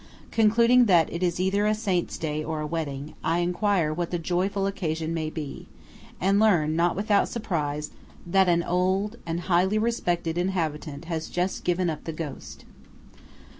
Concluding that it is either a Saint's Day or a wedding, I enquire what the joyful occasion may be, and learn, not without surprise, that an old and highly respected inhabitant has just given up the ghost.